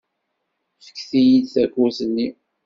Fket-iyi-d takurt-nni!